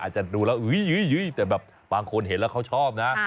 จะดูแล้วแต่แบบบางคนเห็นแล้วเขาชอบนะ